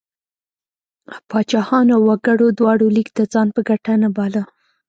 پاچاهانو او وګړو دواړو لیک د ځان په ګټه نه باله.